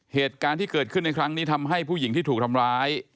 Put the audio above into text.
เหตุการณ์ที่เกิดขึ้นในครั้งนี้ทำให้ผู้หญิงที่ถูกทำร้าย